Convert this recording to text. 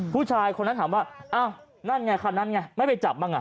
ผู้ชายคนนั้นถามว่าอ้าวนั่นไงคันนั้นไงไม่ไปจับบ้างอ่ะ